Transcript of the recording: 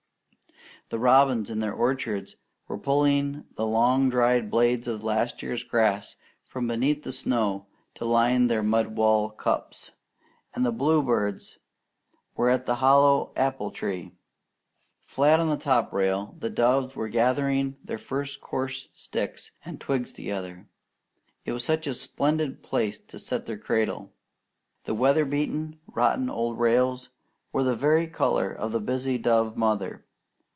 The robins in the orchards were pulling the long dried blades of last year's grass from beneath the snow to line their mud walled cups; and the bluebirds were at the hollow apple tree. Flat on the top rail, the doves were gathering their few coarse sticks and twigs together. It was such a splendid place to set their cradle. The weatherbeaten, rotting old rails were the very colour of the busy dove mother.